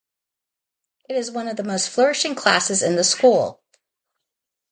It is one of the most flourishing classes in the school.